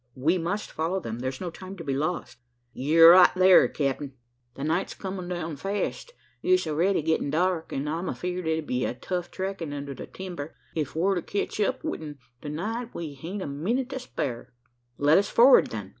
We must follow them: there's no time to be lost." "Ye're right thar, capt'n! The night's a comin' down fast. It's a'ready gettin' dark; an' I'm afeerd it'll be tough trackin' under the timber. If we're to catch up wi' them the night, we hain't a minnit to spare." "Let us forward then!"